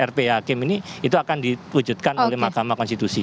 rp hakim ini itu akan diwujudkan oleh mahkamah konstitusi